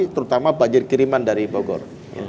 terutama banjir kiriman dari bogor